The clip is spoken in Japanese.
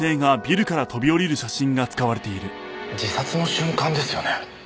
自殺の瞬間ですよね。